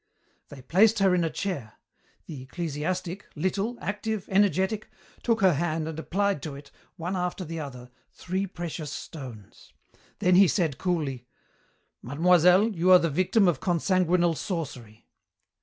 "They placed her in a chair. The ecclesiastic, little, active, energetic, took her hand and applied to it, one after the other, three precious stones. Then he said coolly, 'Mademoiselle, you are the victim of consanguineal sorcery.'